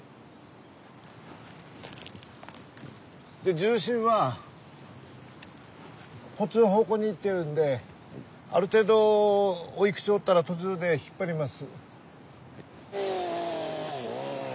重心はこっちの方向にいってるんである程度おい口掘ったら途中で引っ張ります。